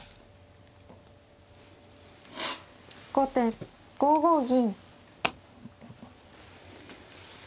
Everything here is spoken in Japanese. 後手５五銀。